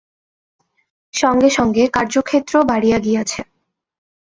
সঙ্গে সঙ্গে কার্যক্ষেত্রও বাড়িয়া গিয়াছে।